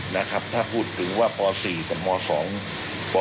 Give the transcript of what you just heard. ถ้าพูดถึงว่าป๔กับป๒